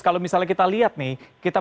kalau misalnya kita lihat nih kita